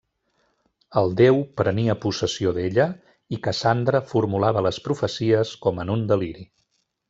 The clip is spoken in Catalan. El déu prenia possessió d'ella i Cassandra formulava les profecies com en un deliri.